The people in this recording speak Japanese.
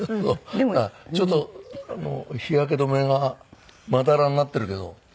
ちょっと日焼け止めがまだらになってるけどって言うと。